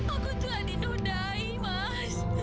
aku jalan didudai mas